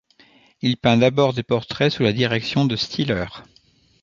Il peint d’abord des portraits sous la direction de Stieler.